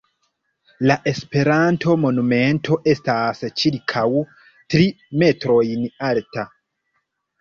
La Esperanto monumento estas ĉirkaŭ tri metrojn alta.